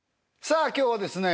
さあ今日はですね